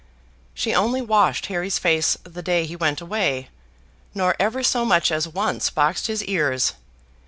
She only washed Harry's face the day he went away; nor ever so much as once boxed his ears.